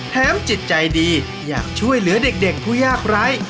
จิตใจดีอยากช่วยเหลือเด็กผู้ยากไร้